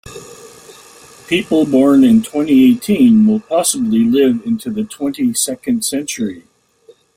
People born in twenty-eighteen will possibly live into the twenty-second century.